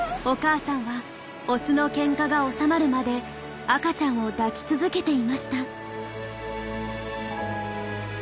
お母さんはオスのケンカが収まるまで赤ちゃんを抱き続けていました。